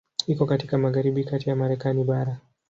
Iko katika magharibi kati ya Marekani bara.